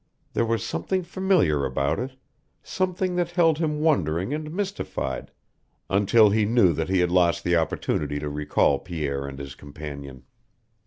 There was something familiar about it, something that held him wondering and mystified, until he knew that he had lost the opportunity to recall Pierre and his companion.